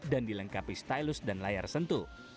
dilengkapi stylus dan layar sentuh